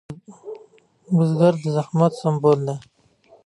بزګر د زحمت سمبول دی